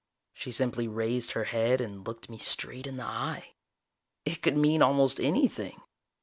She simply raised her head and looked me straight in the eye. It could mean almost anything.